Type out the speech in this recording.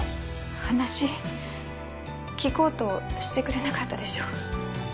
話聞こうとしてくれなかったでしょ。